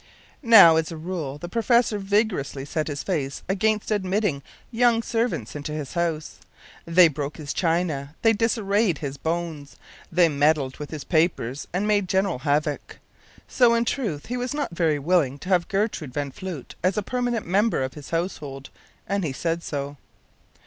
” Now, as a rule, the professor vigorously set his face against admitting young servants into his house. They broke his china, they disarranged his bones, they meddled with his papers, and made general havoc. So, in truth, he was not very willing to have Gertrude van Floote as a permanent member of his household, and he said so.